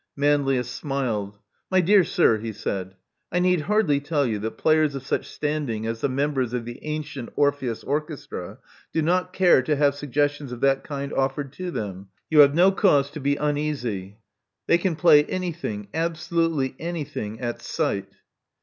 Manlius smiled. My dear sir," he said, I need hardly tell you that players of such standing as the members of the Antient Orpheus orchestra do not care to have suggestions of that kind offered to them. You have no cause to be uneasy. They can play any thing — absolutely anything, at sight."